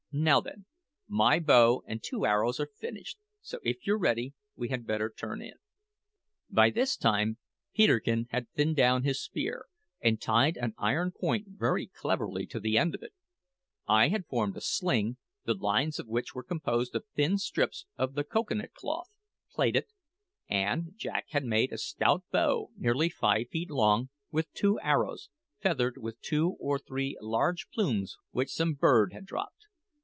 Now, then, my bow and two arrows are finished; so, if you're ready, we had better turn in." By this time Peterkin had thinned down his spear, and tied an iron point very cleverly to the end of it; I had formed a sling, the lines of which were composed of thin strips of the cocoa nut cloth, plaited; and Jack had made a stout bow, nearly five feet long, with two arrows, feathered with two or three large plumes which some bird had dropped.